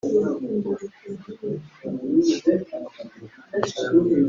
Mouhamed Diamé (Hull City